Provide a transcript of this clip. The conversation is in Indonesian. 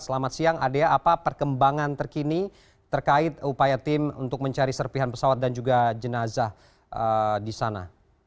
selamat siang adea apa perkembangan terkini terkait upaya tim untuk mencari serpihan pesawat dan juga jenazah di sana